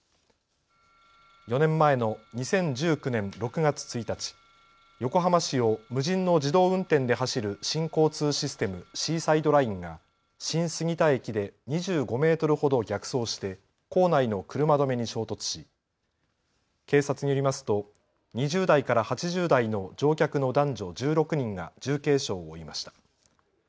４年前の２０１９年６月１日、横浜市を無人の自動運転で走る新交通システム、シーサイドラインが新杉田駅で２５メートルほど逆走して構内の車止めに衝突し警察によりますと２０代から８０代の乗客の男女１６人が重軽傷を負いました。